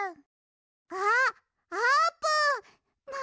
あっあーぷん！